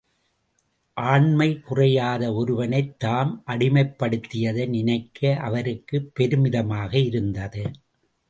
ஆண்மை குறையாத ஒருவனைத் தாம் அடிமைப்படுத்தியதை நினைக்க அவருக்குப் பெருமிதமாக இருந்தது.